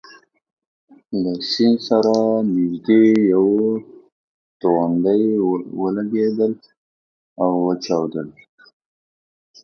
له سیند سره نژدې یوه توغندۍ ولګېدل او وچاودل.